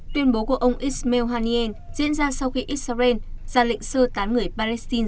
tuyên bố của ông ismail haniyeh diễn ra sau khi israel ra lệnh sơ tán người palestine